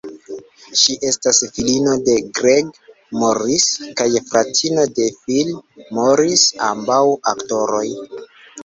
Ŝi estas filino de Greg Morris kaj fratino de Phil Morris, ambaŭ aktoroj.